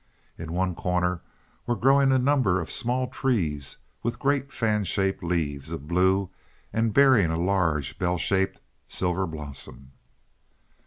In one corner were growing a number of small trees with great fan shaped leaves of blue and bearing a large bell shaped silver blossom.